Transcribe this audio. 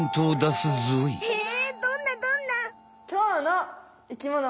へえどんなどんな？